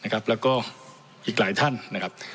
แล้วก็อีกหลายท่านนะครับ